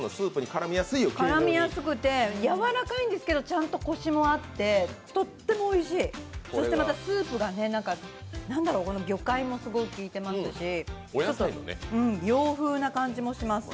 絡みやすくてやわらかいんですけど、ちゃんとこしもあってとってもおいしい、そしてまたスープが魚介もすごい効いてますしちょっと洋風な感じもします。